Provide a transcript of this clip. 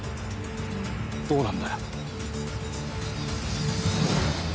どうなんだよ？